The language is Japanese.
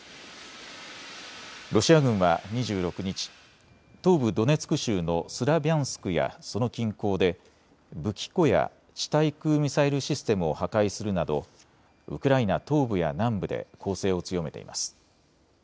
ロシア軍は２６日、東部ドネツク州のスラビャンスクやその近郊で、武器庫や地対空ミサイルシステムを破壊するなどウクライナ東部や南部で攻勢を強めています。